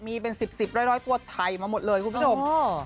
มีเป็น๑๐๑๐ร้อยตัวไถมาหมดเลยคุณผู้ชม